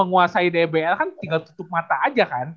eee tapi dari dbl kan tinggal tutup mata aja kan